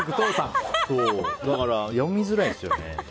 だから読みづらいですよね。